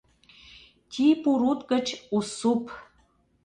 — Тьи-Пурут гыч Уссуп!